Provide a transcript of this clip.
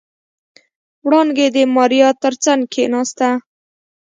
وړانګې د ماريا تر څنګ کېناسته.